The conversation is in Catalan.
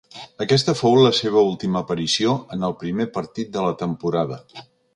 Aquesta fou la seva última aparició, en el primer partit de la temporada.